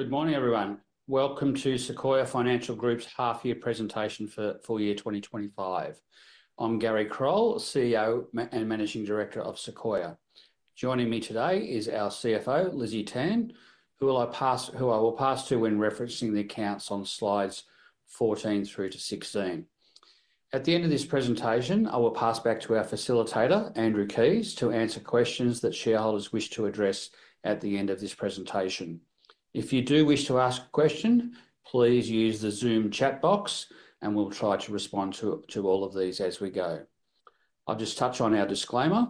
Good morning, everyone. Welcome to Sequoia Financial Group's half-year presentation for full year 2025. I'm Garry Crole, CEO and Managing Director of Sequoia. Joining me today is our CFO, Lizzie Tan, who I will pass to when referencing the accounts on slides 14 through to 16. At the end of this presentation, I will pass back to our facilitator, Andrew Keys, to answer questions that shareholders wish to address at the end of this presentation. If you do wish to ask a question, please use the Zoom chat box, and we'll try to respond to all of these as we go. I'll just touch on our disclaimer.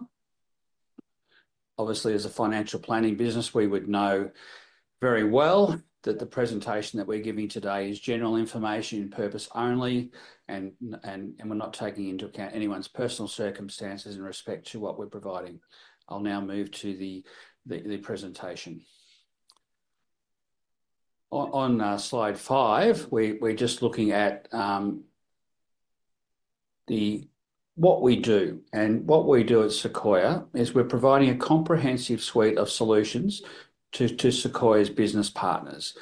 Obviously, as a financial planning business, we would know very well that the presentation that we're giving today is general information purpose only, and we're not taking into account anyone's personal circumstances in respect to what we're providing. I'll now move to the presentation. On slide five, we're just looking at what we do. What we do at Sequoia is we're providing a comprehensive suite of solutions to Sequoia's business partners.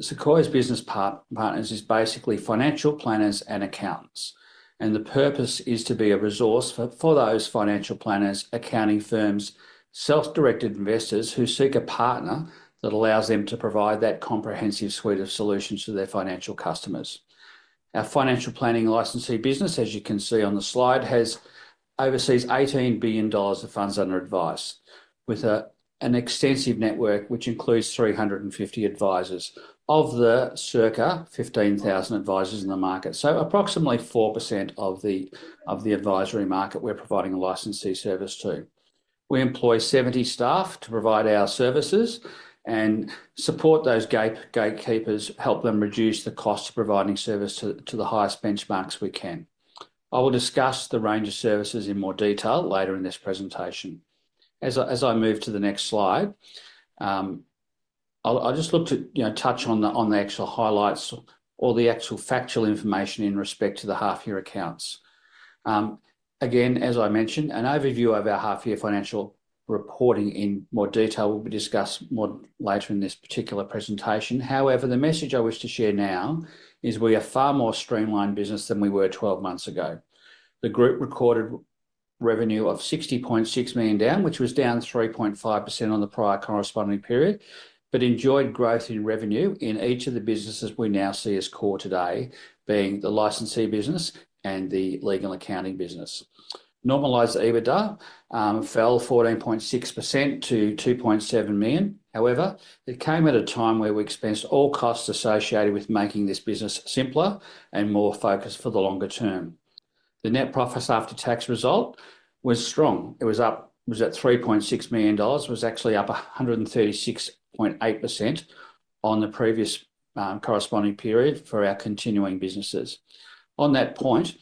Sequoia's business partners is basically financial planners and accountants. The purpose is to be a resource for those financial planners, accounting firms, self-directed investors who seek a partner that allows them to provide that comprehensive suite of solutions to their financial customers. Our financial planning licensee business, as you can see on the slide, oversees 18 billion dollars of funds under advice, with an extensive network which includes 350 advisors, of the circa 15,000 advisors in the market. Approximately 4% of the advisory market we're providing a licensee service to. We employ 70 staff to provide our services and support those gatekeepers, help them reduce the cost of providing service to the highest benchmarks we can. I will discuss the range of services in more detail later in this presentation. As I move to the next slide, I will just look to touch on the actual highlights or the actual factual information in respect to the half-year accounts. Again, as I mentioned, an overview of our half-year financial reporting in more detail will be discussed more later in this particular presentation. However, the message I wish to share now is we are far more streamlined business than we were 12 months ago. The group recorded revenue of 60.6 million, which was down 3.5% on the prior corresponding period, but enjoyed growth in revenue in each of the businesses we now see as core today, being the licensee business and the legal accounting business. Normalized EBITDA fell 14.6% to 2.7 million. However, it came at a time where we expensed all costs associated with making this business simpler and more focused for the longer term. The net profits after tax result was strong. It was up at 3.6 million dollars, was actually up 136.8% on the previous corresponding period for our continuing businesses. On that point,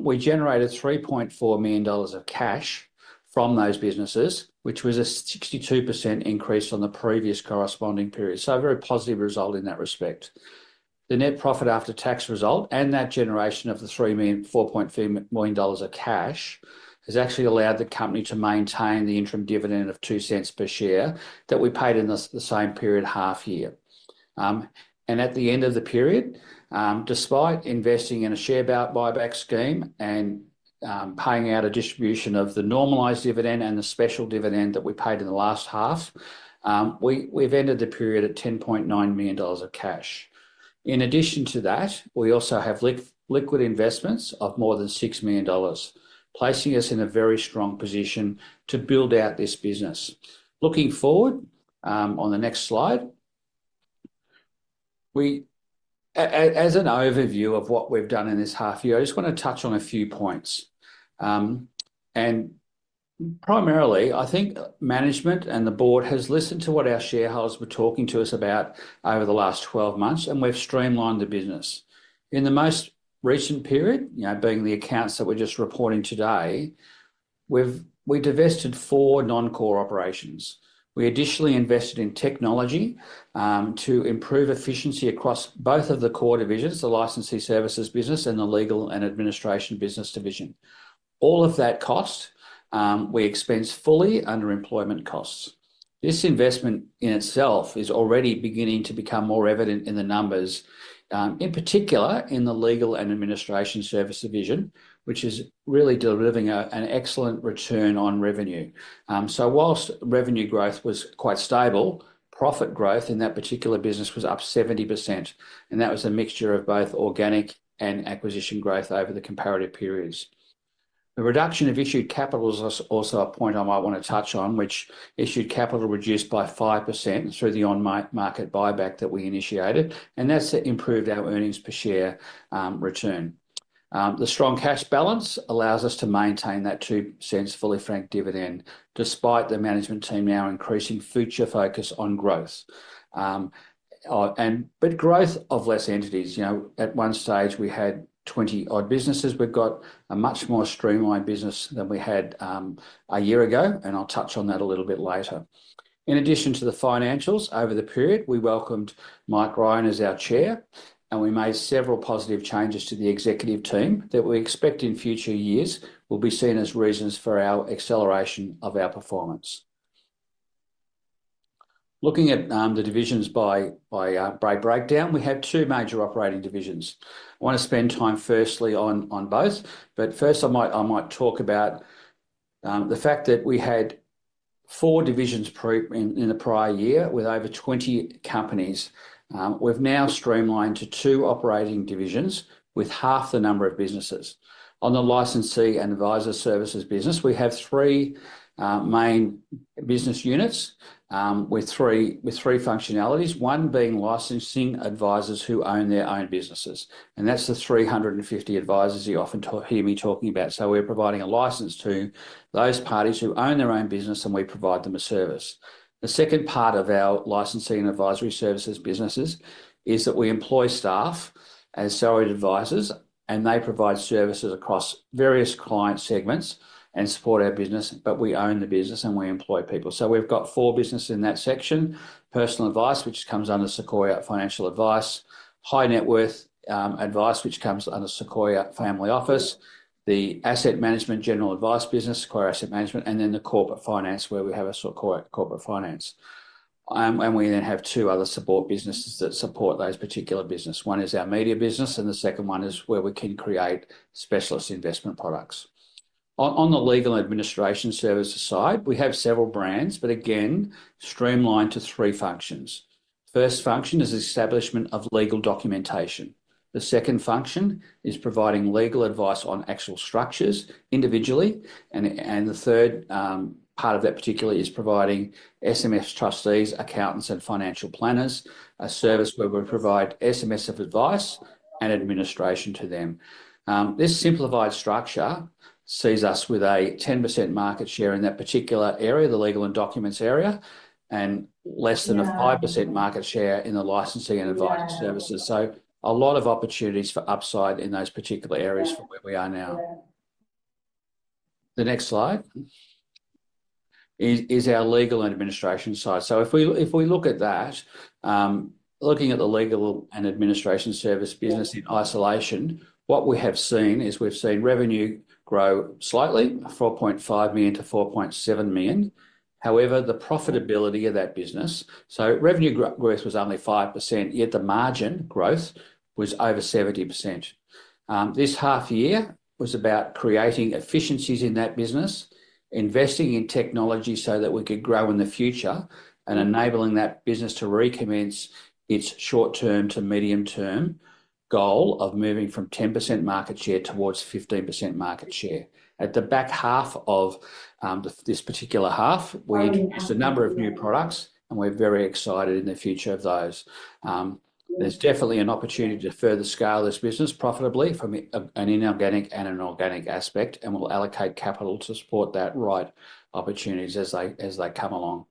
we generated 3.4 million dollars of cash from those businesses, which was a 62% increase on the previous corresponding period. A very positive result in that respect. The net profit after tax result and that generation of the $3.4 million of cash has actually allowed the company to maintain the interim dividend of 0.02 per share that we paid in the same period half year. At the end of the period, despite investing in a share buyback scheme and paying out a distribution of the normalized dividend and the special dividend that we paid in the last half, we have ended the period at 10.9 million dollars of cash. In addition to that, we also have liquid investments of more than 6 million dollars, placing us in a very strong position to build out this business. Looking forward, on the next slide, as an overview of what we have done in this half year, I just want to touch on a few points. Primarily, I think management and the board has listened to what our shareholders were talking to us about over the last 12 months, and we've streamlined the business. In the most recent period, being the accounts that we're just reporting today, we divested four non-core operations. We additionally invested in technology to improve efficiency across both of the core divisions, the licensee services business and the legal and administration business division. All of that cost we expense fully under employment costs. This investment in itself is already beginning to become more evident in the numbers, in particular in the legal and administration service division, which is really delivering an excellent return on revenue. Whilst revenue growth was quite stable, profit growth in that particular business was up 70%. That was a mixture of both organic and acquisition growth over the comparative periods. The reduction of issued capital is also a point I might want to touch on, which issued capital reduced by 5% through the on-market buyback that we initiated. That has improved our earnings per share return. The strong cash balance allows us to maintain that 0.02 fully franked dividend, despite the management team now increasing future focus on growth. Growth of less entities. At one stage, we had 20-odd businesses. We have got a much more streamlined business than we had a year ago. I will touch on that a little bit later. In addition to the financials, over the period, we welcomed Mike Ryan as our Chair, and we made several positive changes to the executive team that we expect in future years will be seen as reasons for our acceleration of our performance. Looking at the divisions by breakdown, we had two major operating divisions. I want to spend time firstly on both. First, I might talk about the fact that we had four divisions in the prior year with over 20 companies. We have now streamlined to two operating divisions with half the number of businesses. On the licensee and advisor services business, we have three main business units with three functionalities, one being licensing advisors who own their own businesses. That is the 350 advisors you often hear me talking about. We are providing a license to those parties who own their own business, and we provide them a service. The second part of our licensing and advisory services businesses is that we employ staff as salaried advisors, and they provide services across various client segments and support our business, but we own the business and we employ people. We have four businesses in that section: personal advice, which comes under Sequoia Financial Advice; high net worth advice, which comes under Sequoia Family Office; the asset management general advice business, Sequoia Asset Management; and the corporate finance, where we have Sequoia Corporate Finance. We then have two other support businesses that support those particular businesses. One is our media business, and the second one is where we can create specialist investment products. On the legal administration services side, we have several brands, but again, streamlined to three functions. The first function is establishment of legal documentation. The second function is providing legal advice on actual structures individually. The third part of that particularly is providing SMSF trustees, accountants, and financial planners a service where we provide SMSF advice and administration to them. This simplified structure sees us with a 10% market share in that particular area, the legal and documents area, and less than a 5% market share in the licensing and advising services. A lot of opportunities for upside in those particular areas from where we are now. The next slide is our legal and administration side. If we look at that, looking at the legal and administration service business in isolation, what we have seen is we've seen revenue grow slightly, 4.5 million-4.7 million. However, the profitability of that business, revenue growth was only 5%, yet the margin growth was over 70%. This half year was about creating efficiencies in that business, investing in technology so that we could grow in the future, and enabling that business to recommence its short-term to medium-term goal of moving from 10% market share towards 15% market share. At the back half of this particular half, we introduced a number of new products, and we're very excited in the future of those. There's definitely an opportunity to further scale this business profitably from an inorganic and an organic aspect, and we'll allocate capital to support that right opportunities as they come along.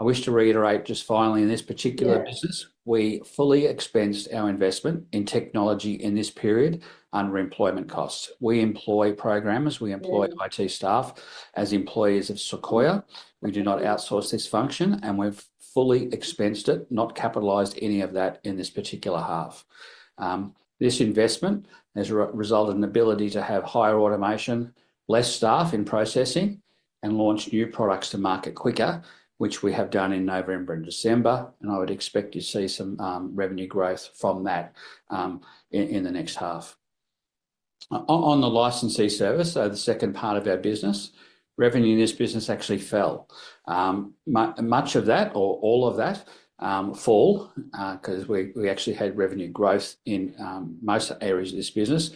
I wish to reiterate just finally, in this particular business, we fully expensed our investment in technology in this period under employment costs. We employ programmers. We employ IT staff as employees of Sequoia. We do not outsource this function, and we've fully expensed it, not capitalized any of that in this particular half. This investment has resulted in the ability to have higher automation, less staff in processing, and launch new products to market quicker, which we have done in November and December. I would expect to see some revenue growth from that in the next half. On the licensee service, the second part of our business, revenue in this business actually fell. Much of that, or all of that, fall, because we actually had revenue growth in most areas of this business,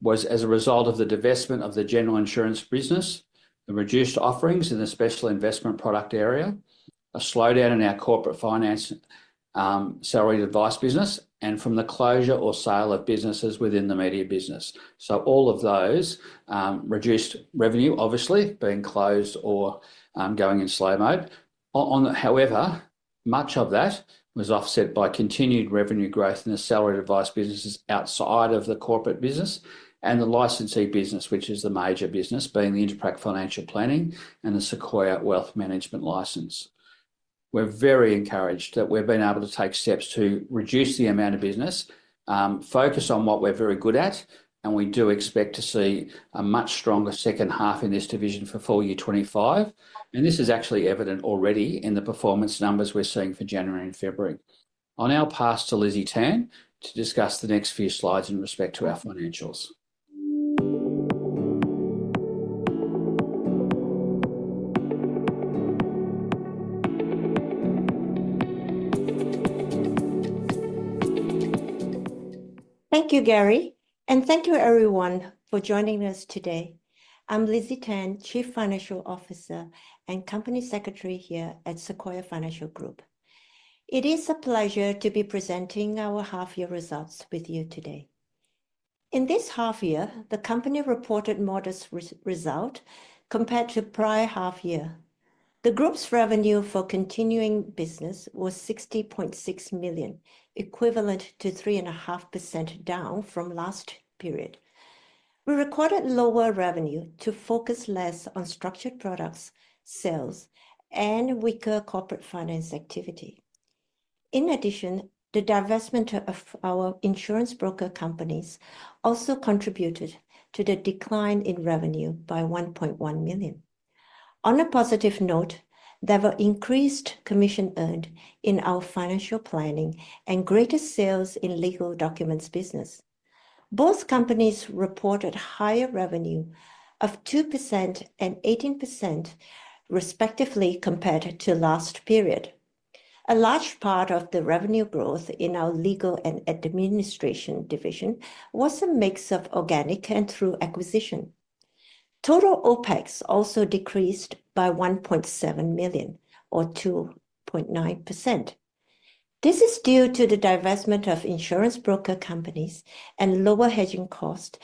was as a result of the divestment of the general insurance business, the reduced offerings in the special investment product area, a slowdown in our corporate finance salaried advice business, and from the closure or sale of businesses within the media business. All of those reduced revenue, obviously, being closed or going in slow mode. However, much of that was offset by continued revenue growth in the salaried advice businesses outside of the corporate business and the licensee business, which is the major business, being the InterPrac Financial Planning and the Sequoia Wealth Management license. We're very encouraged that we've been able to take steps to reduce the amount of business, focus on what we're very good at, and we do expect to see a much stronger second half in this division for full year 2025. This is actually evident already in the performance numbers we're seeing for January and February. I'll now pass to Lizzie Tan to discuss the next few slides in respect to our financials. Thank you, Garry. Thank you, everyone, for joining us today. I'm Lizzie Tan, Chief Financial Officer and Company Secretary here at Sequoia Financial Group. It is a pleasure to be presenting our half-year results with you today. In this half year, the company reported modest results compared to the prior half year. The group's revenue for continuing business was 60.6 million, equivalent to 3.5% down from last period. We recorded lower revenue to focus less on structured products, sales, and weaker corporate finance activity. In addition, the divestment of our insurance broker companies also contributed to the decline in revenue by 1.1 million. On a positive note, there were increased commission earned in our financial planning and greater sales in legal documents business. Both companies reported higher revenue of 2% and 18%, respectively, compared to last period. A large part of the revenue growth in our legal and administration division was a mix of organic and through acquisition. Total OpEx also decreased by 1.7 million, or 2.9%. This is due to the divestment of insurance broker companies and lower hedging cost,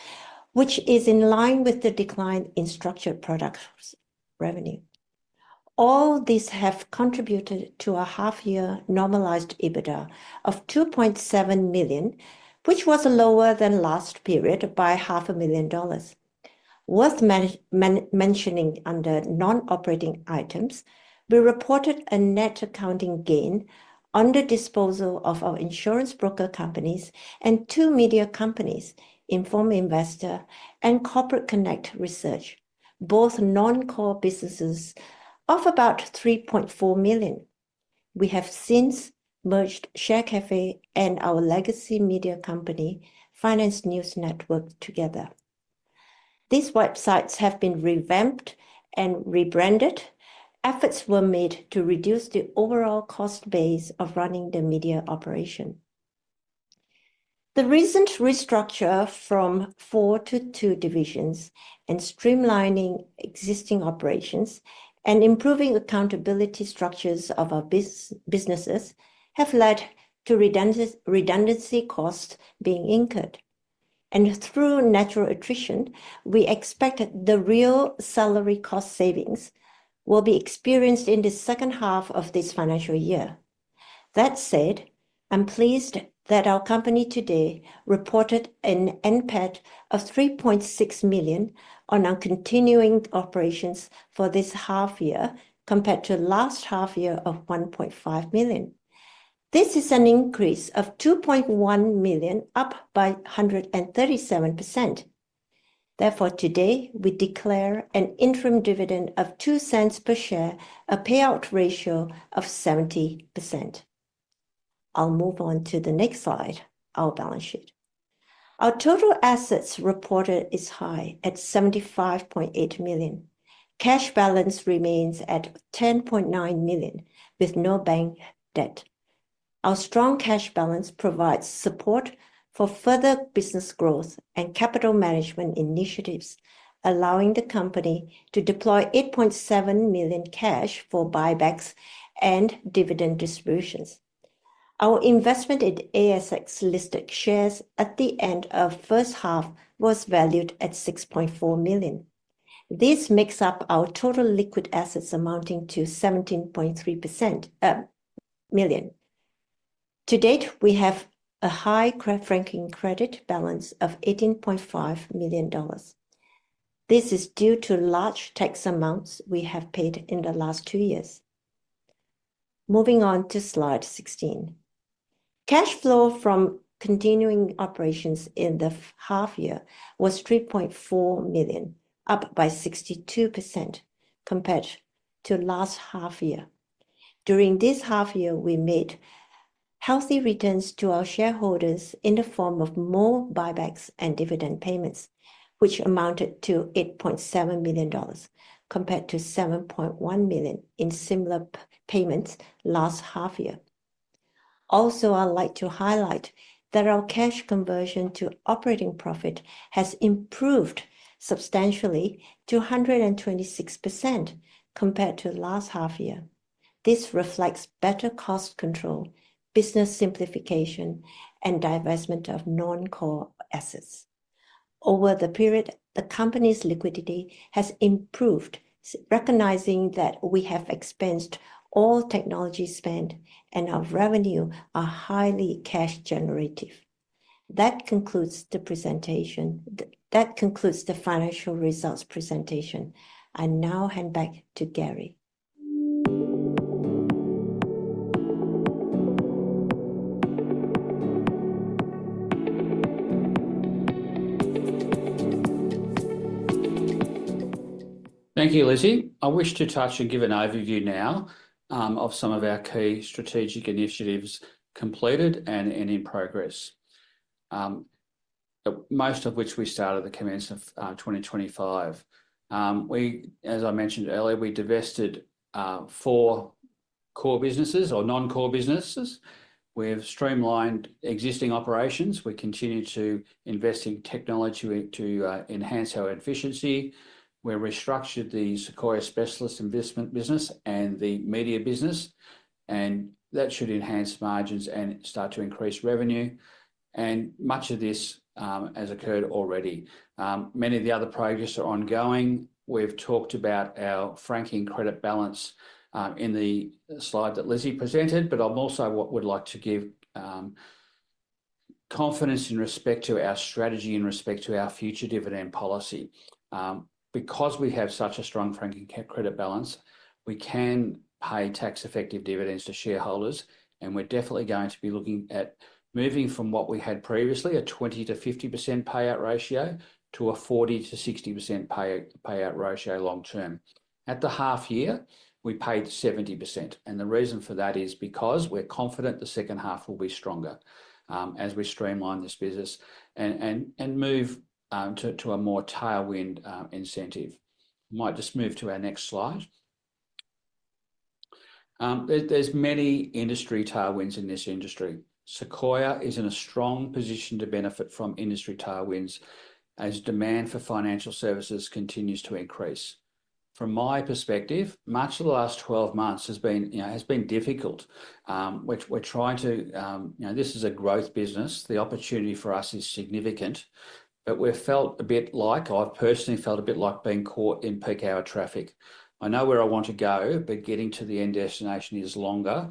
which is in line with the decline in structured products revenue. All these have contributed to a half-year normalized EBITDA of 2.7 million, which was lower than last period by 500,000 dollars. Worth mentioning under non-operating items, we reported a net accounting gain under disposal of our insurance broker companies and two media companies, Informed Investor and Corporate Connect Research, both non-core businesses of about 3.4 million. We have since merged ShareCafe and our legacy media company, Finance News Network, together. These websites have been revamped and rebranded. Efforts were made to reduce the overall cost base of running the media operation. The recent restructure from four to two divisions and streamlining existing operations and improving accountability structures of our businesses have led to redundancy costs being incurred. Through natural attrition, we expect the real salary cost savings will be experienced in the second half of this financial year. That said, I'm pleased that our company today reported an NPAT of 3.6 million on our continuing operations for this half year compared to last half year of 1.5 million. This is an increase of 2.1 million, up by 137%. Therefore, today, we declare an interim dividend of 0.02 per share, a payout ratio of 70%. I'll move on to the next slide, our balance sheet. Our total assets reported is high at 75.8 million. Cash balance remains at 10.9 million with no bank debt. Our strong cash balance provides support for further business growth and capital management initiatives, allowing the company to deploy 8.7 million cash for buybacks and dividend distributions. Our investment in ASX-listed shares at the end of first half was valued at 6.4 million. This makes up our total liquid assets amounting to 17.3 million. To date, we have a high franking credit balance of 18.5 million dollars. This is due to large tax amounts we have paid in the last two years. Moving on to slide 16. Cash flow from continuing operations in the half year was 3.4 million, up by 62% compared to last half year. During this half year, we made healthy returns to our shareholders in the form of more buybacks and dividend payments, which amounted to 8.7 million dollars compared to 7.1 million in similar payments last half year. Also, I'd like to highlight that our cash conversion to operating profit has improved substantially to 126% compared to last half year. This reflects better cost control, business simplification, and divestment of non-core assets. Over the period, the company's liquidity has improved, recognizing that we have expensed all technology spend and our revenue are highly cash-generative. That concludes the financial results presentation. I now hand back to Garry. Thank you, Lizzie. I wish to touch and give an overview now of some of our key strategic initiatives completed and in progress, most of which we started at the commencement of 2025. As I mentioned earlier, we divested four core businesses or non-core businesses. We have streamlined existing operations. We continue to invest in technology to enhance our efficiency. We restructured the Sequoia Specialist Investment business and the media business, and that should enhance margins and start to increase revenue. Much of this has occurred already. Many of the other progress are ongoing. We've talked about our franking credit balance in the slide that Lizzie presented, but I also would like to give confidence in respect to our strategy in respect to our future dividend policy. Because we have such a strong franking credit balance, we can pay tax-effective dividends to shareholders, and we're definitely going to be looking at moving from what we had previously, a 20%-50% payout ratio, to a 40%-60% payout ratio long term. At the half year, we paid 70%. The reason for that is because we're confident the second half will be stronger as we streamline this business and move to a more tailwind incentive. Might just move to our next slide. There are many industry tailwinds in this industry. Sequoia is in a strong position to benefit from industry tailwinds as demand for financial services continues to increase. From my perspective, much of the last 12 months has been difficult. We're trying to, this is a growth business. The opportunity for us is significant, but I've felt a bit like, I've personally felt a bit like being caught in peak hour traffic. I know where I want to go, but getting to the end destination is longer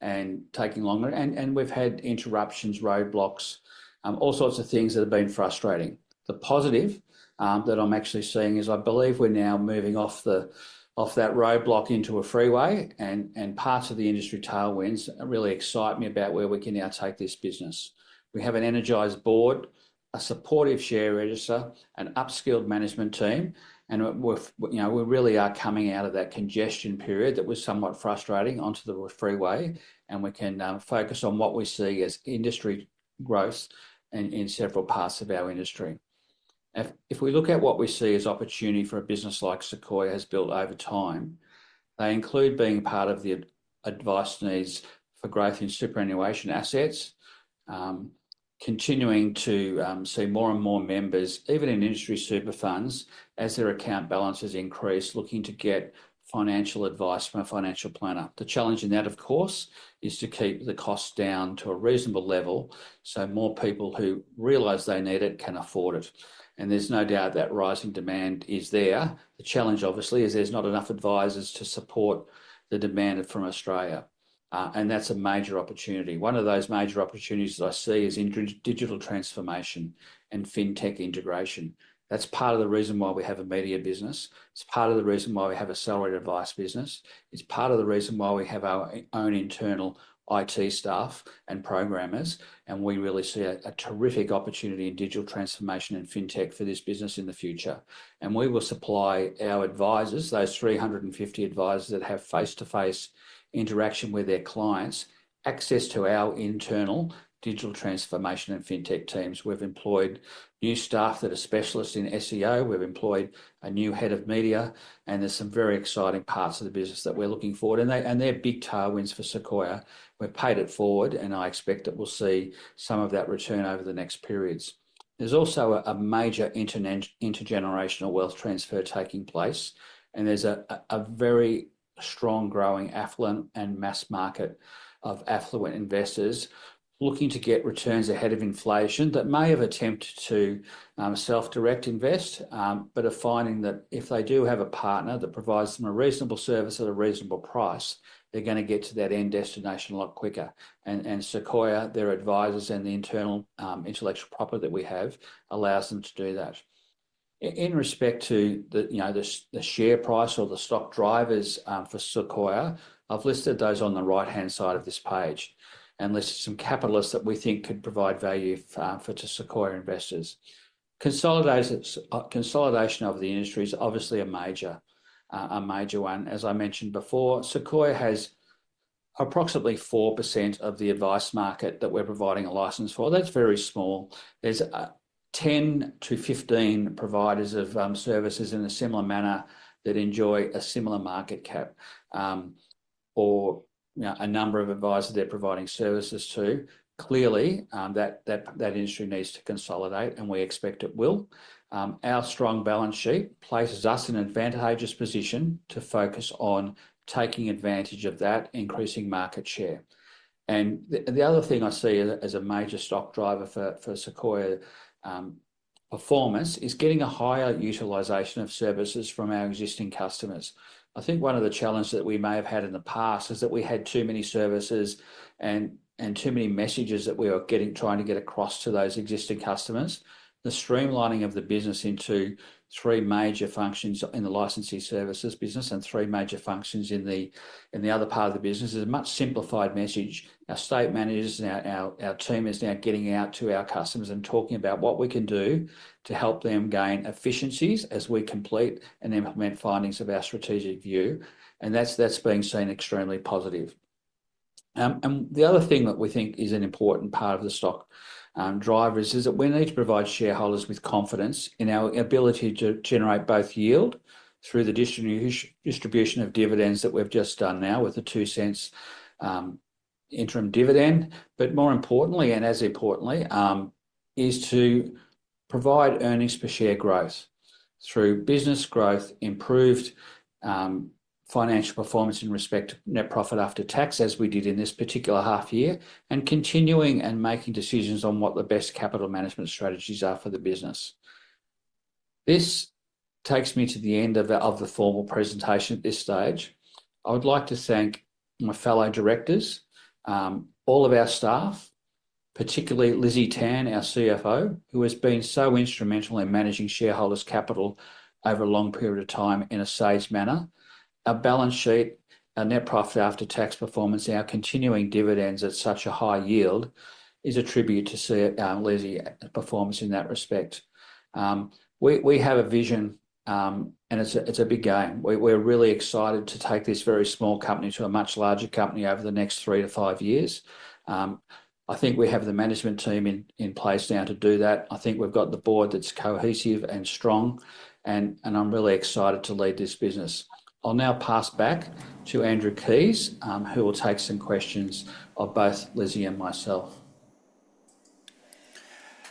and taking longer. We've had interruptions, roadblocks, all sorts of things that have been frustrating. The positive that I'm actually seeing is I believe we're now moving off that roadblock into a freeway, and parts of the industry tailwinds really excite me about where we can now take this business. We have an energized board, a supportive share register, an upskilled management team, and we really are coming out of that congestion period that was somewhat frustrating onto the freeway, and we can focus on what we see as industry growth in several parts of our industry. If we look at what we see as opportunity for a business like Sequoia has built over time, they include being part of the advice needs for growth in superannuation assets, continuing to see more and more members, even in industry super funds, as their account balances increase, looking to get financial advice from a financial planner. The challenge in that, of course, is to keep the costs down to a reasonable level so more people who realize they need it can afford it. There's no doubt that rising demand is there. The challenge, obviously, is there's not enough advisors to support the demand from Australia. That's a major opportunity. One of those major opportunities that I see is in digital transformation and fintech integration. That's part of the reason why we have a media business. It's part of the reason why we have a salary advice business. It's part of the reason why we have our own internal IT staff and programmers. We really see a terrific opportunity in digital transformation and fintech for this business in the future. We will supply our advisors, those 350 advisors that have face-to-face interaction with their clients, access to our internal digital transformation and fintech teams. We've employed new staff that are specialists in SEO. We've employed a new head of media. There are some very exciting parts of the business that we're looking forward to. They are big tailwinds for Sequoia. We've paid it forward, and I expect that we'll see some of that return over the next periods. There's also a major intergenerational wealth transfer taking place. There is a very strong growing affluent and mass market of affluent investors looking to get returns ahead of inflation that may have attempted to self-direct invest, but are finding that if they do have a partner that provides them a reasonable service at a reasonable price, they're going to get to that end destination a lot quicker. Sequoia, their advisors and the internal intellectual property that we have allows them to do that. In respect to the share price or the stock drivers for Sequoia, I've listed those on the right-hand side of this page and listed some catalysts that we think could provide value for Sequoia investors. Consolidation of the industry is obviously a major one. As I mentioned before, Sequoia has approximately 4% of the advice market that we're providing a license for. That's very small. There are 10-15 providers of services in a similar manner that enjoy a similar market cap or a number of advisors they are providing services to. Clearly, that industry needs to consolidate, and we expect it will. Our strong balance sheet places us in an advantageous position to focus on taking advantage of that, increasing market share. The other thing I see as a major stock driver for Sequoia performance is getting a higher utilization of services from our existing customers. I think one of the challenges that we may have had in the past is that we had too many services and too many messages that we were trying to get across to those existing customers. The streamlining of the business into three major functions in the licensing services business and three major functions in the other part of the business is a much simplified message. Our state managers and our team are now getting out to our customers and talking about what we can do to help them gain efficiencies as we complete and implement findings of our strategic review. That is being seen extremely positive. The other thing that we think is an important part of the stock drivers is that we need to provide shareholders with confidence in our ability to generate both yield through the distribution of dividends that we have just done now with the 0.02 interim dividend. More importantly, and as importantly, is to provide earnings per share growth through business growth, improved financial performance in respect to net profit after tax as we did in this particular half year, and continuing and making decisions on what the best capital management strategies are for the business. This takes me to the end of the formal presentation at this stage. I would like to thank my fellow directors, all of our staff, particularly Lizzie Tan, our CFO, who has been so instrumental in managing shareholders' capital over a long period of time in a safe manner. Our balance sheet, our net profit after tax performance, our continuing dividends at such a high yield is a tribute to Lizzie's performance in that respect. We have a vision, and it's a big game. We're really excited to take this very small company to a much larger company over the next three to five years. I think we have the management team in place now to do that. I think we've got the board that's cohesive and strong, and I'm really excited to lead this business. I'll now pass back to Andrew Keys, who will take some questions of both Lizzie and myself.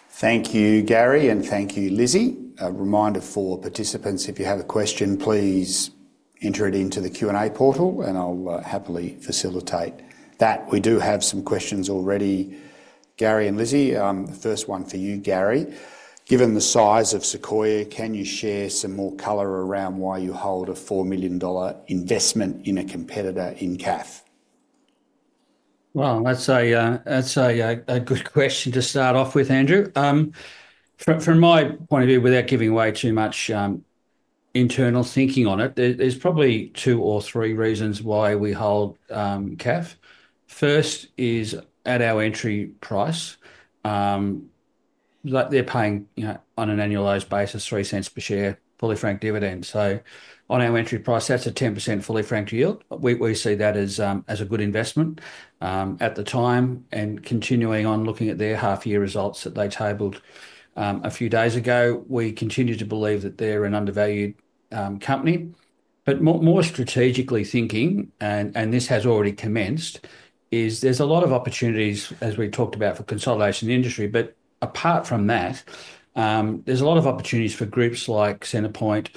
Thank you, Garry, and thank you, Lizzie. A reminder for participants, if you have a question, please enter it into the Q&A portal, and I'll happily facilitate that. We do have some questions already. Garry and Lizzie, the first one for you, Garry. Given the size of Sequoia, can you share some more color around why you hold a 4 million dollar investment in a competitor in CAF? That's a good question to start off with, Andrew. From my point of view, without giving away too much internal thinking on it, there's probably two or three reasons why we hold CAF. First is at our entry price. They're paying on an annualized basis, 0.03 per share, fully franked dividend. On our entry price, that's a 10% fully franked yield. We see that as a good investment at the time. Continuing on, looking at their half-year results that they tabled a few days ago, we continue to believe that they're an undervalued company. More strategically thinking, and this has already commenced, is there's a lot of opportunities, as we talked about, for consolidation in the industry. Apart from that, there's a lot of opportunities for groups like Centrepoint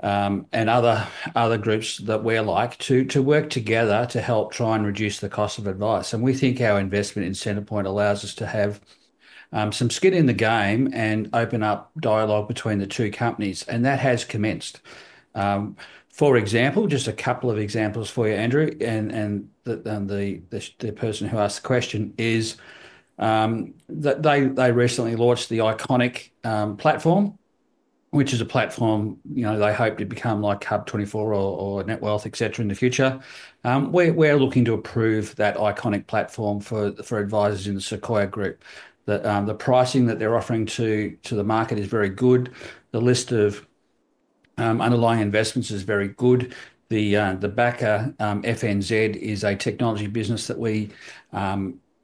and other groups that we like to work together to help try and reduce the cost of advice. We think our investment in Centrepoint allows us to have some skin in the game and open up dialogue between the two companies. That has commenced. For example, just a couple of examples for you, Andrew, and the person who asked the question is that they recently launched the IconiQ platform, which is a platform they hope to become like HUB24 or Netwealth, etc., in the future. We're looking to approve that IconiQ platform for advisors in the Sequoia Group. The pricing that they're offering to the market is very good. The list of underlying investments is very good. The backer, FNZ, is a technology business that we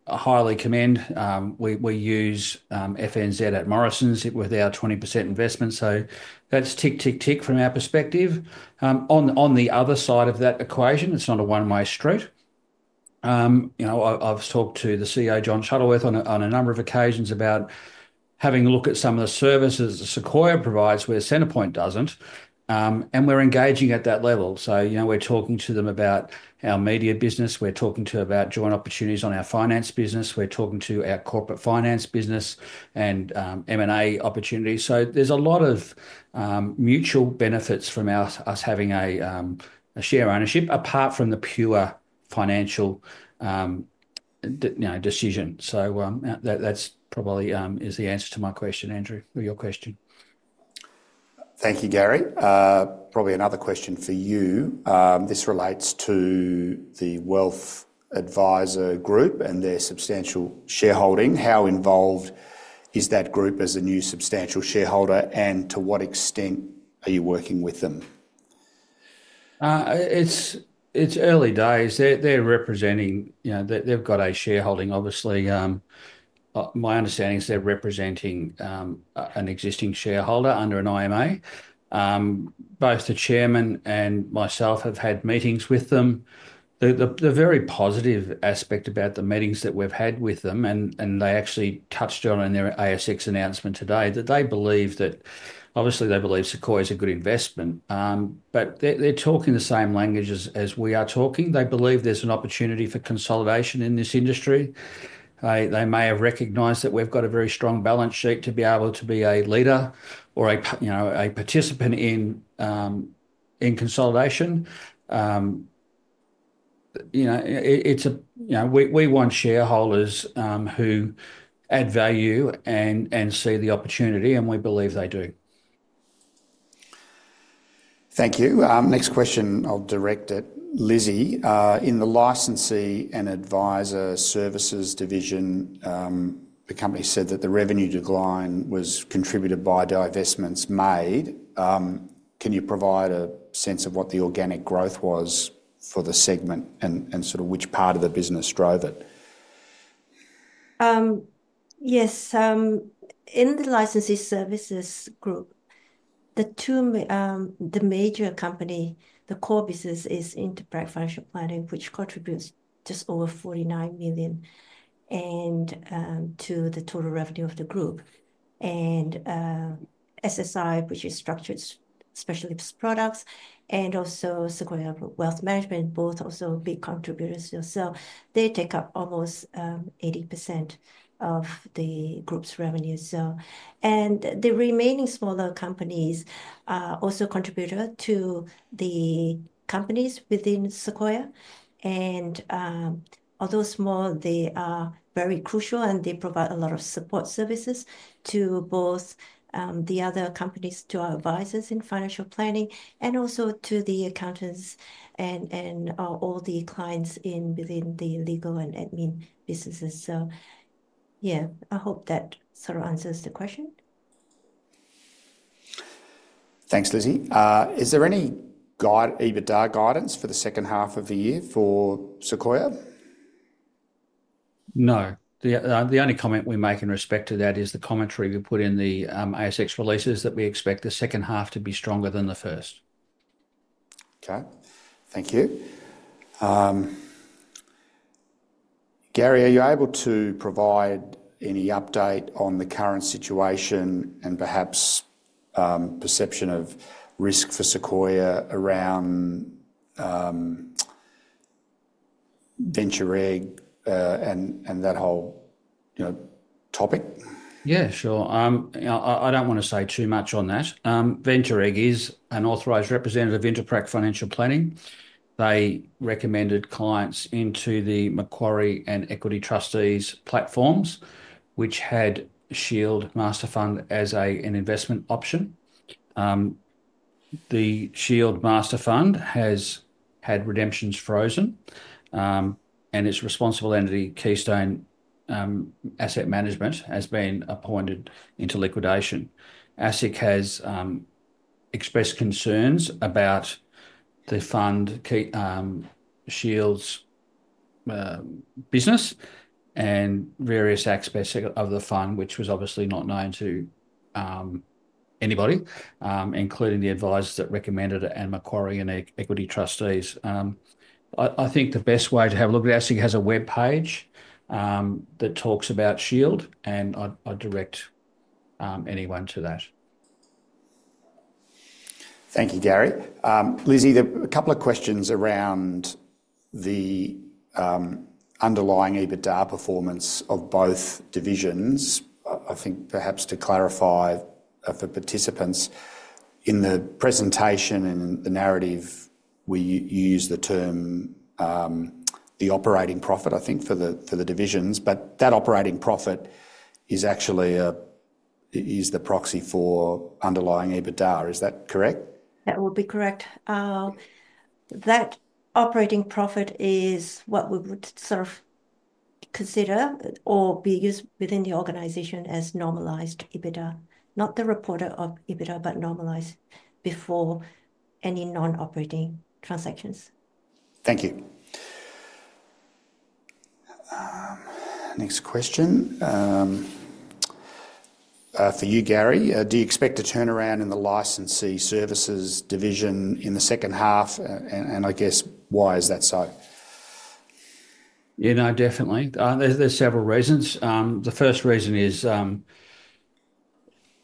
highly commend. We use FNZ at Morrisons with our 20% investment. That is tick, tick, tick from our perspective. On the other side of that equation, it is not a one-way street. I have talked to the CEO, John Shuttleworth, on a number of occasions about having a look at some of the services that Sequoia provides where Centrepoint does not. We are engaging at that level. We are talking to them about our media business. We are talking to them about joint opportunities on our finance business. We are talking to our corporate finance business and M&A opportunities. There are a lot of mutual benefits from us having a share ownership apart from the pure financial decision. That is probably the answer to my question, Andrew, or your question. Thank you, Garry. Probably another question for you. This relates to the Wealth Advisor Group and their substantial shareholding. How involved is that group as a new substantial shareholder, and to what extent are you working with them? It's early days. They're representing they've got a shareholding, obviously. My understanding is they're representing an existing shareholder under an IMA. Both the Chairman and myself have had meetings with them. The very positive aspect about the meetings that we've had with them, and they actually touched on in their ASX announcement today, is that they believe that obviously they believe Sequoia is a good investment. They're talking the same language as we are talking. They believe there's an opportunity for consolidation in this industry. They may have recognized that we've got a very strong balance sheet to be able to be a leader or a participant in consolidation. We want shareholders who add value and see the opportunity, and we believe they do. Thank you. Next question, I'll direct it to Lizzie. In the licensee and advisor services division, the company said that the revenue decline was contributed by divestments made. Can you provide a sense of what the organic growth was for the segment and sort of which part of the business drove it? Yes. In the licensee services group, the major company, the core business is InterPrac Financial Planning, which contributes just over 49 million to the total revenue of the group. SSI, which is structured specialist products, and also Sequoia Wealth Management, both also big contributors. They take up almost 80% of the group's revenue. The remaining smaller companies also contribute to the companies within Sequoia. Although small, they are very crucial, and they provide a lot of support services to both the other companies, to our advisors in financial planning, and also to the accountants and all the clients within the legal and admin businesses. Yeah, I hope that sort of answers the question. Thanks, Lizzie. Is there any guidance for the second half of the year for Sequoia? No. The only comment we make in respect to that is the commentary we put in the ASX releases that we expect the second half to be stronger than the first. Okay. Thank you. Garry, are you able to provide any update on the current situation and perhaps perception of risk for Sequoia around Venture Egg and that whole topic? Yeah, sure. I don't want to say too much on that. Venture Egg is an authorized representative of InterPrac Financial Planning. They recommended clients into the Macquarie and Equity Trustees platforms, which had Shield Master Fund as an investment option. The Shield Master Fund has had redemptions frozen, and its responsible entity, Keystone Asset Management, has been appointed into liquidation. ASIC has expressed concerns about the fund Shield's business and various aspects of the fund, which was obviously not known to anybody, including the advisors that recommended it and Macquarie and Equity Trustees. I think the best way to have a look at ASIC has a web page that talks about Shield, and I'd direct anyone to that. Thank you, Garry. Lizzie, a couple of questions around the underlying EBITDA performance of both divisions. I think perhaps to clarify for participants, in the presentation and the narrative, we use the term the operating profit, I think, for the divisions. But that operating profit is actually the proxy for underlying EBITDA. Is that correct? That would be correct. That operating profit is what we would sort of consider or be used within the organization as normalized EBITDA, not the reported EBITDA, but normalized before any non-operating transactions. Thank you. Next question for you, Garry. Do you expect a turnaround in the licensee services division in the second half? I guess, why is that so? Yeah, no, definitely. There are several reasons. The first reason is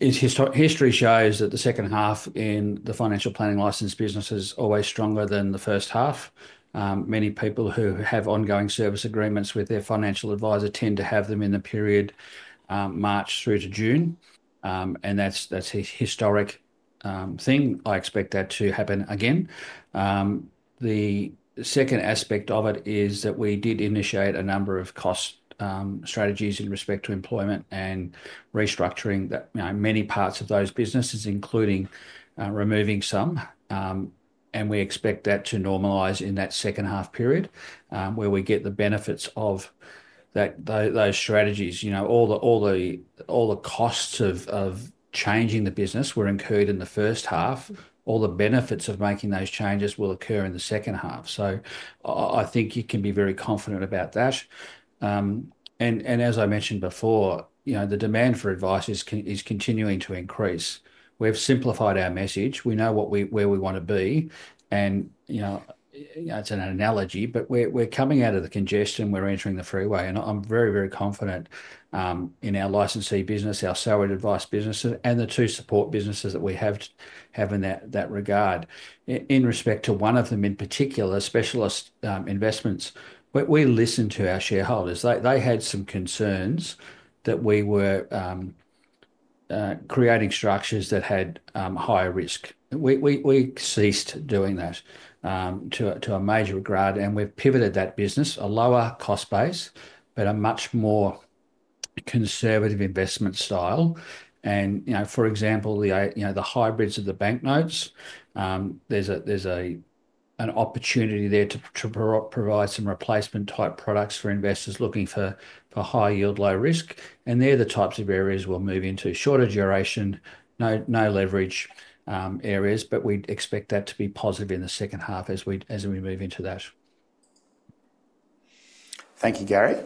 history shows that the second half in the financial planning license business is always stronger than the first half. Many people who have ongoing service agreements with their financial advisor tend to have them in the period March through to June. That is a historic thing. I expect that to happen again. The second aspect of it is that we did initiate a number of cost strategies in respect to employment and restructuring many parts of those businesses, including removing some. We expect that to normalize in that second half period where we get the benefits of those strategies. All the costs of changing the business were incurred in the first half. All the benefits of making those changes will occur in the second half. I think you can be very confident about that. As I mentioned before, the demand for advice is continuing to increase. We have simplified our message. We know where we want to be. It is an analogy, but we are coming out of the congestion. We are entering the freeway. I am very, very confident in our licensee business, our salaried advice business, and the two support businesses that we have in that regard. In respect to one of them in particular, specialist investments, we listened to our shareholders. They had some concerns that we were creating structures that had higher risk. We ceased doing that to a major degree. We have pivoted that business, a lower cost base, but a much more conservative investment style. For example, the hybrids of the bank notes, there is an opportunity there to provide some replacement-type products for investors looking for high yield, low risk. They're the types of areas we'll move into: shorter duration, no leverage areas. We expect that to be positive in the second half as we move into that. Thank you, Garry.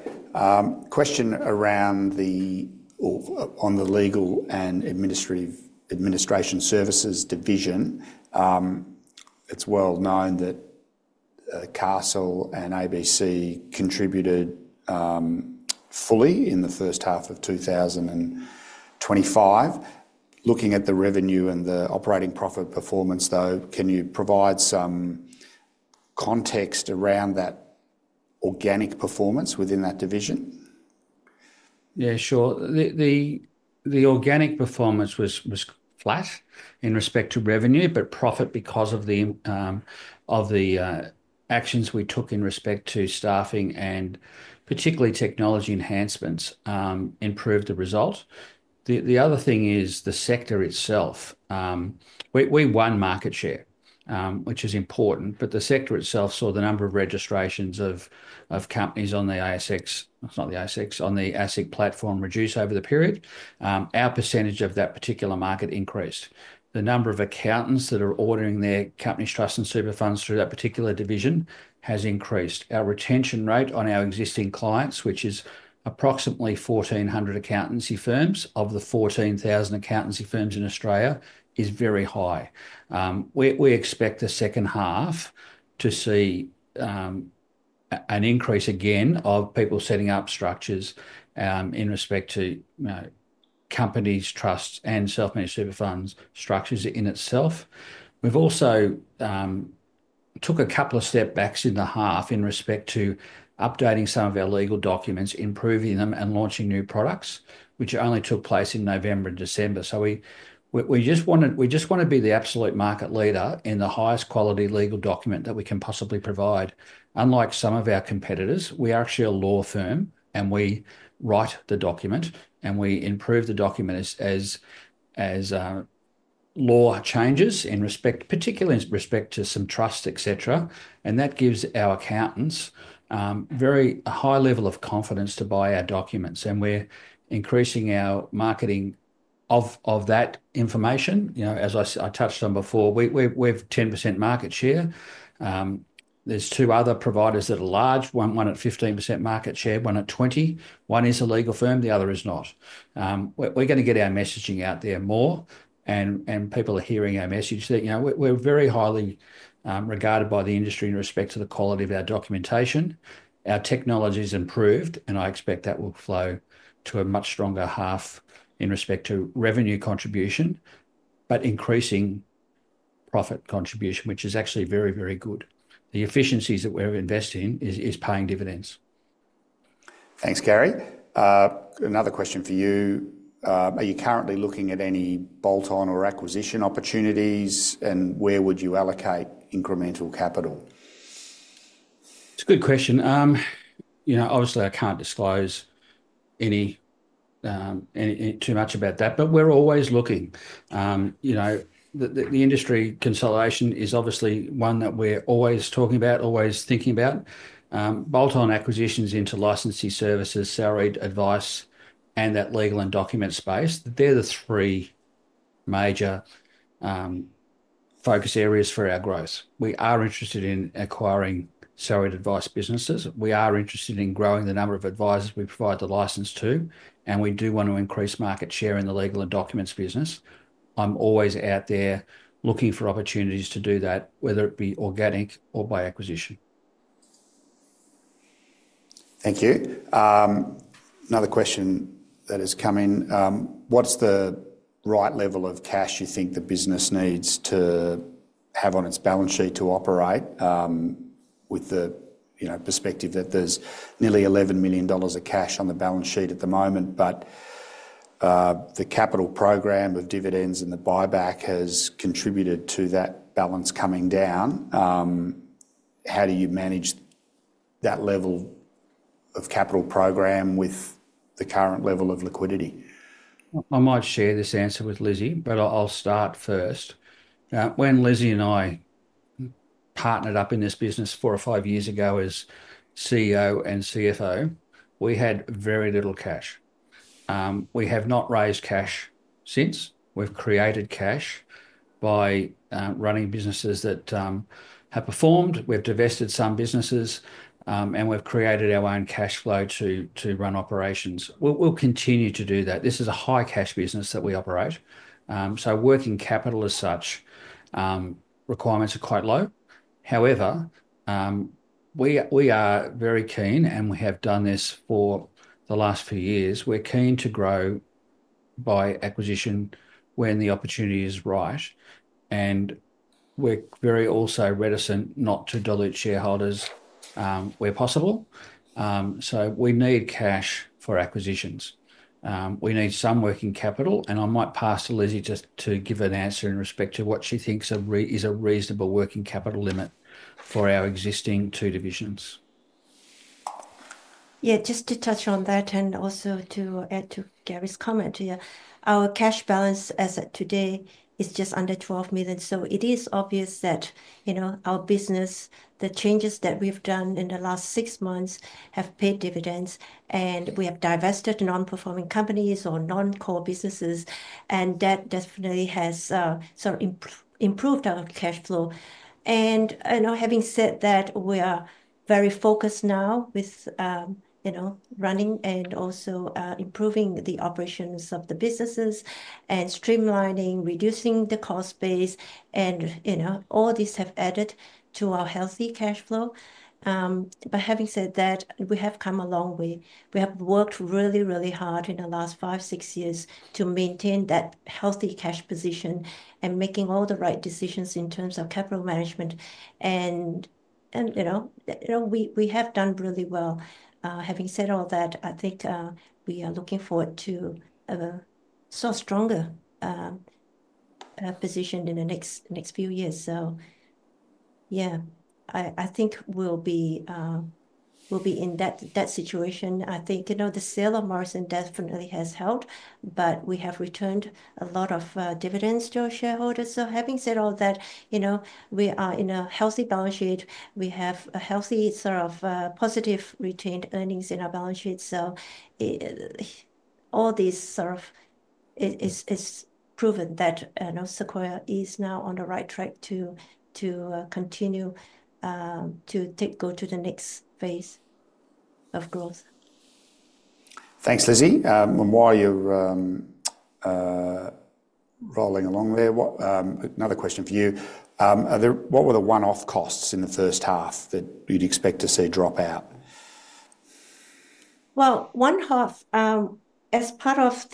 Question around the legal and administrative administration services division. It's well known that Castle and ABC contributed fully in the first half of 2025. Looking at the revenue and the operating profit performance, though, can you provide some context around that organic performance within that division? Yeah, sure. The organic performance was flat in respect to revenue, but profit because of the actions we took in respect to staffing and particularly technology enhancements improved the result. The other thing is the sector itself. We won market share, which is important. The sector itself saw the number of registrations of companies on the ASX—it is not the ASX—on the ASIC platform reduce over the period. Our percentage of that particular market increased. The number of accountants that are ordering their companies, trusts, and super funds through that particular division has increased. Our retention rate on our existing clients, which is approximately 1,400 accountancy firms of the 14,000 accountancy firms in Australia, is very high. We expect the second half to see an increase again of people setting up structures in respect to companies, trusts, and self-managed super funds structures in itself. We've also took a couple of stepbacks in the half in respect to updating some of our legal documents, improving them, and launching new products, which only took place in November and December. We just want to be the absolute market leader in the highest quality legal document that we can possibly provide. Unlike some of our competitors, we are actually a law firm, and we write the document, and we improve the document as law changes in particular, in respect to some trusts, etc. That gives our accountants a very high level of confidence to buy our documents. We're increasing our marketing of that information. As I touched on before, we have 10% market share. There are two other providers that are large. One at 15% market share, one at 20%. One is a legal firm. The other is not. We're going to get our messaging out there more, and people are hearing our message. We're very highly regarded by the industry in respect to the quality of our documentation. Our technology is improved, and I expect that will flow to a much stronger half in respect to revenue contribution, but increasing profit contribution, which is actually very, very good. The efficiencies that we're investing in are paying dividends. Thanks, Garry. Another question for you. Are you currently looking at any bolt-on or acquisition opportunities, and where would you allocate incremental capital? It's a good question. Obviously, I can't disclose too much about that, but we're always looking. The industry consolidation is obviously one that we're always talking about, always thinking about. Bolt-on acquisitions into licensee services, salaried advice, and that legal and document space, they're the three major focus areas for our growth. We are interested in acquiring salaried advice businesses. We are interested in growing the number of advisors we provide the license to, and we do want to increase market share in the legal and documents business. I'm always out there looking for opportunities to do that, whether it be organic or by acquisition. Thank you. Another question that is coming. What's the right level of cash you think the business needs to have on its balance sheet to operate with the perspective that there's nearly 11 million dollars of cash on the balance sheet at the moment, but the capital program of dividends and the buyback has contributed to that balance coming down? How do you manage that level of capital program with the current level of liquidity? I might share this answer with Lizzie, but I'll start first. When Lizzie and I partnered up in this business four or five years ago as CEO and CFO, we had very little cash. We have not raised cash since. We've created cash by running businesses that have performed. We've divested some businesses, and we've created our own cash flow to run operations. We'll continue to do that. This is a high-cash business that we operate. Working capital as such, requirements are quite low. However, we are very keen, and we have done this for the last few years. We're keen to grow by acquisition when the opportunity is right. We are also very reticent not to dilute shareholders where possible. We need cash for acquisitions. We need some working capital. I might pass to Lizzie just to give an answer in respect to what she thinks is a reasonable working capital limit for our existing two divisions. Yeah, just to touch on that and also to add to Garry's comment, our cash balance as of today is just under 12 million. It is obvious that our business, the changes that we've done in the last six months, have paid dividends. We have divested non-performing companies or non-core businesses. That definitely has sort of improved our cash flow. Having said that, we are very focused now with running and also improving the operations of the businesses and streamlining, reducing the cost base. All these have added to our healthy cash flow. Having said that, we have come a long way. We have worked really, really hard in the last five, six years to maintain that healthy cash position and making all the right decisions in terms of capital management. We have done really well. Having said all that, I think we are looking forward to a stronger position in the next few years. Yeah, I think we'll be in that situation. I think the sale of Morrison definitely has helped, but we have returned a lot of dividends to our shareholders. Having said all that, we are in a healthy balance sheet. We have a healthy sort of positive retained earnings in our balance sheet. All this sort of is proven that Sequoia is now on the right track to continue to go to the next phase of growth. Thanks, Lizzie. While you're rolling along there, another question for you. What were the one-off costs in the first half that you'd expect to see drop out? As part of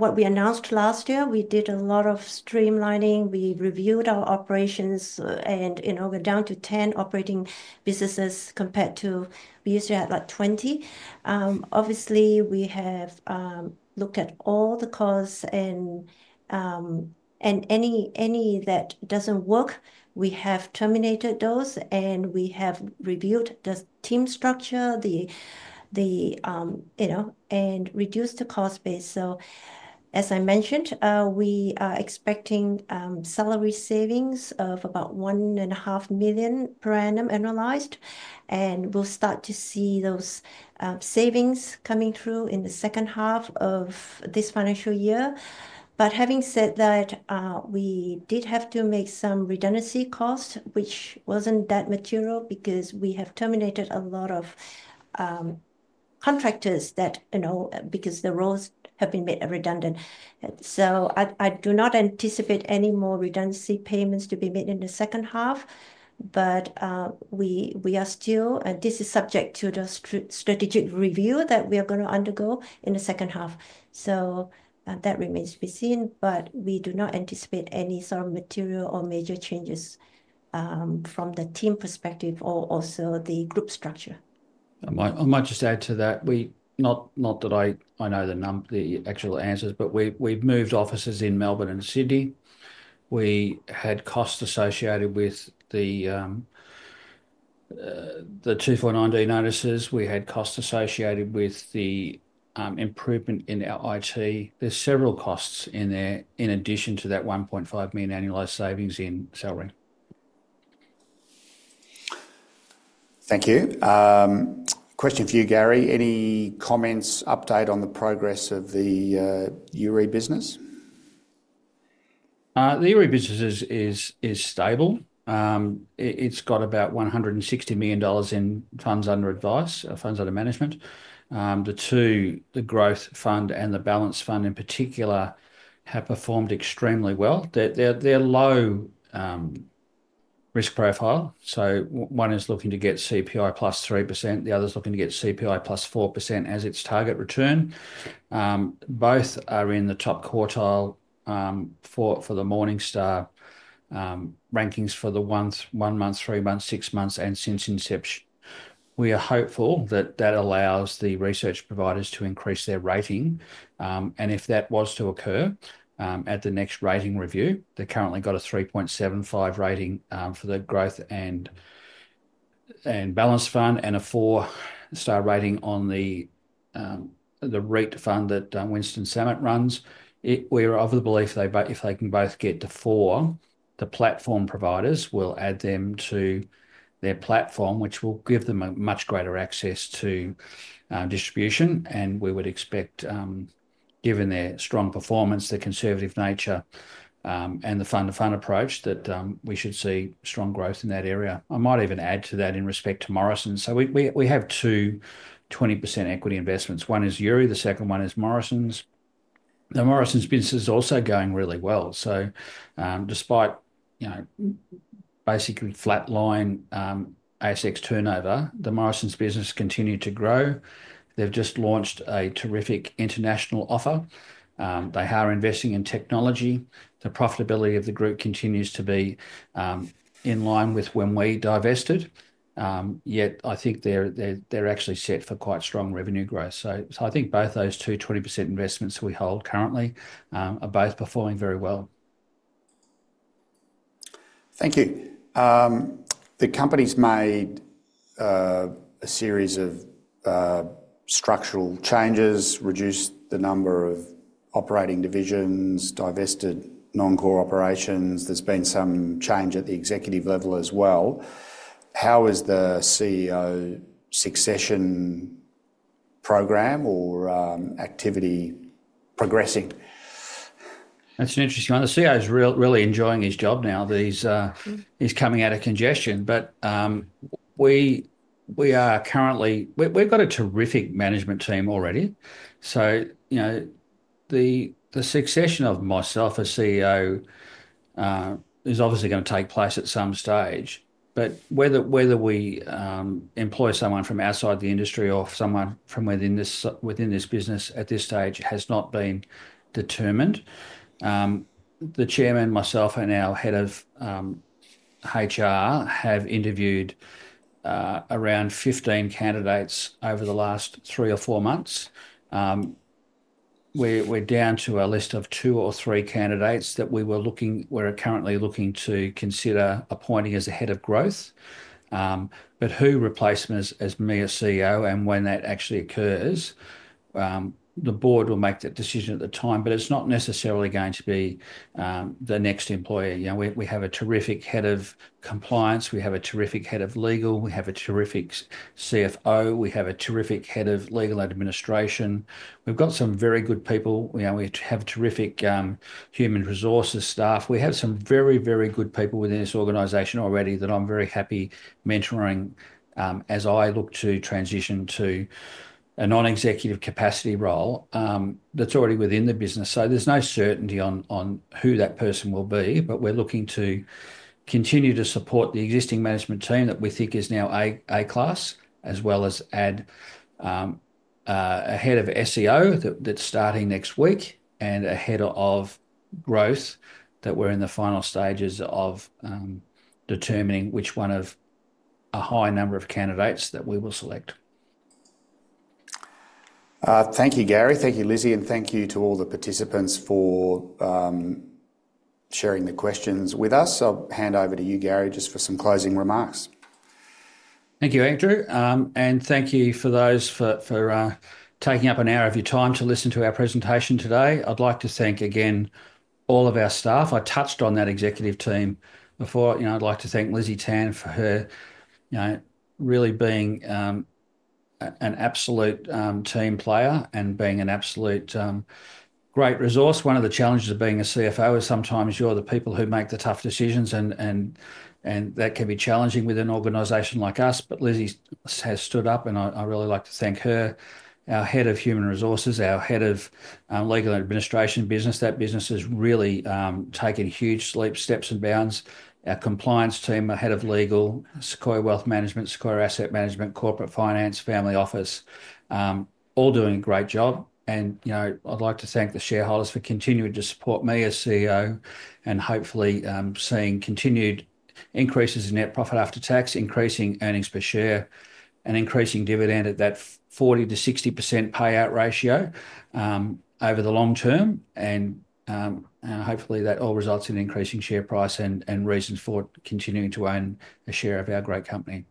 what we announced last year, we did a lot of streamlining. We reviewed our operations, and we're down to 10 operating businesses compared to we used to have like 20. Obviously, we have looked at all the costs and any that doesn't work, we have terminated those. We have reviewed the team structure and reduced the cost base. As I mentioned, we are expecting salary savings of about 1.5 million per annum annualized. We will start to see those savings coming through in the second half of this financial year. Having said that, we did have to make some redundancy costs, which was not that material because we have terminated a lot of contractors because the roles have been made redundant. I do not anticipate any more redundancy payments to be made in the second half. We are still, and this is subject to the strategic review that we are going to undergo in the second half. That remains to be seen. We do not anticipate any sort of material or major changes from the team perspective or also the group structure. I might just add to that, not that I know the actual answers, but we've moved offices in Melbourne and Sydney. We had costs associated with the 249D notices. We had costs associated with the improvement in our IT. There's several costs in there in addition to that 1.5 million annualized savings in salary. Thank you. Question for you, Garry. Any comments, update on the progress of the Euree business? The Euree business is stable. It's got about 160 million dollars in funds under advice, funds under management. The two, the Growth Fund and the Balance Fund in particular, have performed extremely well. They're low risk profile. One is looking to get CPI +3%. The other is looking to get CPI +4% as its target return. Both are in the top quartile for the Morningstar rankings for the one month, three months, six months, and since inception. We are hopeful that that allows the research providers to increase their rating. If that was to occur at the next rating review, they currently got a 3.75 rating for the Growth and Balance Fund and a four-star rating on the REIT Fund that Winston Sammut runs. We are of the belief if they can both get to four, the platform providers will add them to their platform, which will give them much greater access to distribution. We would expect, given their strong performance, their conservative nature, and the fund-to-fund approach, that we should see strong growth in that area. I might even add to that in respect to Morrison. We have two 20% equity investments. One is Euree. The second one is Morrison Securities. The Morrison Securities business is also going really well. Despite basically flatline ASX turnover, the Morrison Securities business continued to grow. They have just launched a terrific international offer. They are investing in technology. The profitability of the group continues to be in line with when we divested. I think they are actually set for quite strong revenue growth. I think both those two 20% investments we hold currently are both performing very well. Thank you. The company has made a series of structural changes, reduced the number of operating divisions, divested non-core operations. There has been some change at the executive level as well. How is the CEO succession program or activity progressing? That's an interesting one. The CEO is really enjoying his job now. He's coming out of congestion. We are currently we've got a terrific management team already. The succession of myself as CEO is obviously going to take place at some stage. Whether we employ someone from outside the industry or someone from within this business at this stage has not been determined. The Chairman, myself, and our Head of HR have interviewed around 15 candidates over the last three or four months. We're down to a list of two or three candidates that we are currently looking to consider appointing as a Head of Growth. Who replaces me as CEO and when that actually occurs? The Board will make that decision at the time, but it's not necessarily going to be the next employer. We have a terrific Head of Compliance. We have a terrific Head of Legal. We have a terrific CFO. We have a terrific Head of Legal Administration. We've got some very good people. We have terrific human resources staff. We have some very, very good people within this organization already that I'm very happy mentoring as I look to transition to a non-executive capacity role that's already within the business. There's no certainty on who that person will be, but we're looking to continue to support the existing management team that we think is now A-class, as well as add a head of SEO that's starting next week and a head of growth that we're in the final stages of determining which one of a high number of candidates that we will select. Thank you, Garry. Thank you, Lizzie. And thank you to all the participants for sharing the questions with us. I'll hand over to you, Garry, just for some closing remarks. Thank you, Andrew. Thank you for those for taking up an hour of your time to listen to our presentation today. I'd like to thank again all of our staff. I touched on that executive team before. I'd like to thank Lizzie Tan for her really being an absolute team player and being an absolute great resource. One of the challenges of being a CFO is sometimes you're the people who make the tough decisions, and that can be challenging with an organization like us. Lizzie has stood up, and I really like to thank her, our Head of Human Resources, our Head of Legal Administration business. That business has really taken huge steps and bounds. Our compliance team, our Head of Legal, Sequoia Wealth Management, Sequoia Asset Management, Corporate Finance, Family Office, all doing a great job. I would like to thank the shareholders for continuing to support me as CEO and hopefully seeing continued increases in net profit after tax, increasing earnings per share, and increasing dividend at that 40%-60% payout ratio over the long term. Hopefully that all results in increasing share price and reasons for continuing to own a share of our great company.